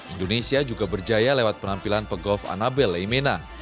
indonesia juga berjaya lewat penampilan pegolf annabel leimena